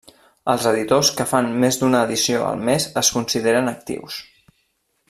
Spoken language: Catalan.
Els editors que fan més d'una edició al mes es consideren actius.